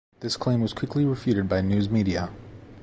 This claim was quickly refuted by news media.